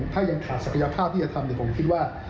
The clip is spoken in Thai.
ถ้ายังขาดศักยภาพที่จะทำผมคิดว่า